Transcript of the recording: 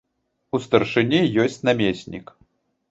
У старшыні ёсць намеснік.